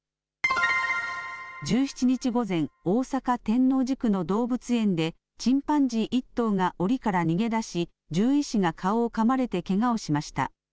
１７日午前、大阪・天王寺区の動物園でチンパンジー１頭がおりから逃げ出し、獣医師が顔をかまれてけがをしました。